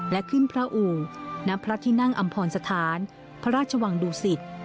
และขึ้นพระอู่ณพระที่นั่งอำพรสถานพระราชวังดุสิต